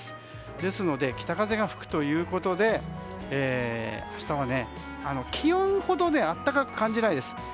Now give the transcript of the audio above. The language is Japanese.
ですので北風が吹くということで明日は気温ほど暖かく感じないです。